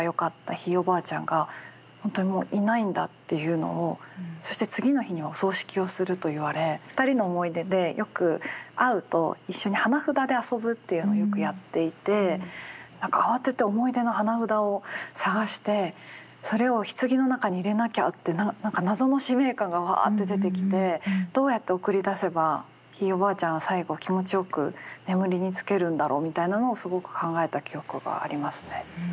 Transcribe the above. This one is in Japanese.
ひいおばあちゃんが本当にもういないんだっていうのをそして次の日にお葬式をすると言われ２人の思い出でよく会うと一緒に花札で遊ぶっていうのをよくやっていて何か慌てて思い出の花札を探してそれをひつぎの中に入れなきゃって何か謎の使命感がわって出てきてどうやって送り出せばひいおばあちゃんは最後気持ちよく眠りにつけるんだろうみたいなのをすごく考えた記憶がありますね。